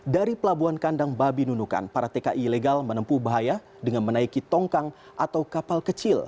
dari pelabuhan kandang babi nunukan para tki ilegal menempuh bahaya dengan menaiki tongkang atau kapal kecil